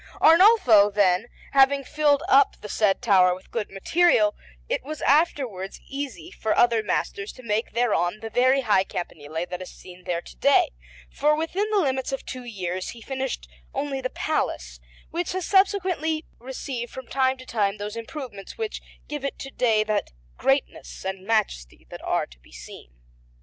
Arnolfo, then, having filled up the said tower with good material, it was afterwards easy for other masters to make thereon the very high campanile that is to be seen there to day; for within the limits of two years he finished only the Palace, which has subsequently received from time to time those improvements which give it to day that greatness and majesty that are to be seen.